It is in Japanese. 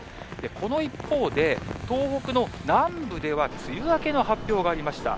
この一方で、東北の南部では梅雨明けの発表がありました。